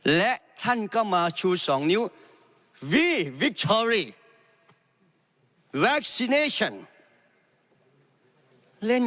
และท่านก็มาชูสองนิ้ววีวิคทอรรีแวคซิเนชันเล่น